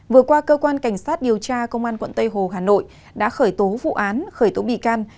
vừa qua cơ quan cảnh sát điều tra công an quận tây hồ hà nội đã khởi tố vụ án khởi tố bị can